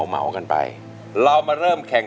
สวัสดีครับคุณหน่อย